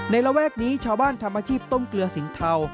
ระแวกนี้ชาวบ้านทำอาชีพต้มเกลือสินเทา